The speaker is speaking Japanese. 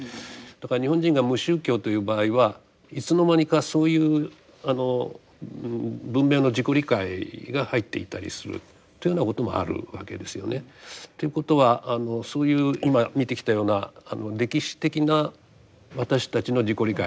だから日本人が無宗教という場合はいつの間にかそういう文明の自己理解が入っていたりするというようなこともあるわけですよね。ということはそういう今見てきたような歴史的な私たちの自己理解。